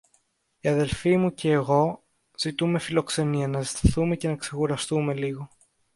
Η αδελφή μου κι εγώ ζητούμε φιλοξενία, να ζεσταθούμε και να ξεκουραστούμε λίγο.